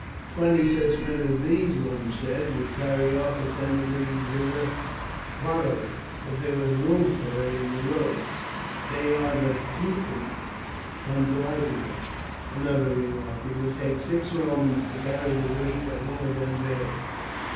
"Twenty such men as those," one said, "would carry off a senator's villa bodily, if there was room for it in the road." "They are the Titans come to life again," another remarked. "It would take six Romans to carry the weight that one of them bears."